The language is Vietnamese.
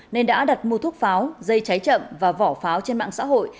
nên đã đặt mua thuốc pháo dây cháy chậm và vỏ pháo trên mạng xã hội